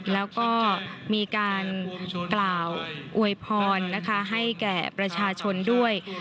แล้วก็มีการกล่าวอวยพรนะคะให้แก่ประชาชนด้วย